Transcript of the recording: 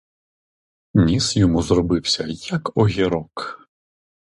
Ніс йому зробився як огірок.